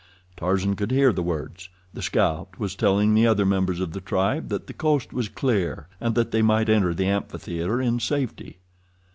Tarzan could hear the words. The scout was telling the other members of the tribe that the coast was clear and that they might enter the amphitheater in safety.